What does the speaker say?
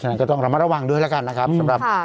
ถูกต้องนะครับพวกนะครับ